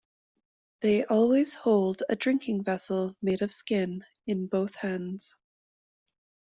They always hold a drinking vessel made of skin in both hands.